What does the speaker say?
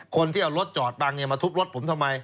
คนที่เอารถจอดบังมาทุบรถผมทำไม